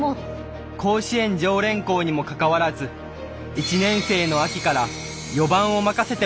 甲子園常連校にもかかわらず１年生の秋から４番を任せてもらいました。